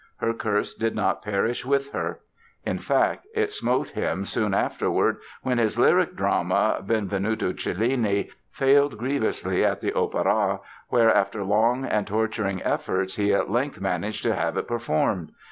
Her curse did not perish with her; in fact, it smote him soon afterwards when his lyric drama, "Benvenuto Cellini", failed grievously at the Opéra, where after long and torturing efforts he at length managed to have it performed.